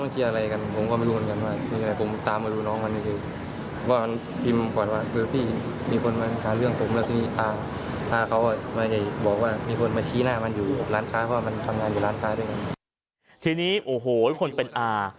ทีนี้โอ้โหคนเป็นอา